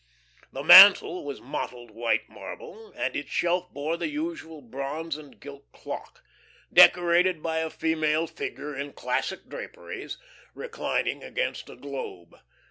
The mantel was mottled white marble, and its shelf bore the usual bronze and gilt clock, decorated by a female figure in classic draperies, reclining against a globe.